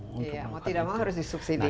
kalau tidak mau harus disubsidi